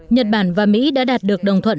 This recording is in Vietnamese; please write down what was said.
nhật bản và mỹ đã đạt được đồng thuận